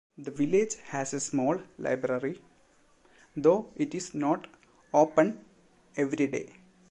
The village has a small library, though it is not open every day.